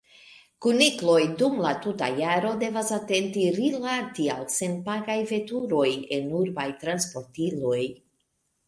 Kunikloj dum la tuta jaro devas atente rilati al senpagaj veturoj en urbaj transportiloj.